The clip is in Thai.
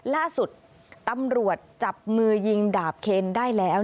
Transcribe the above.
ล่าสุดตำรวจจับมือยิงดาบเคนได้แล้ว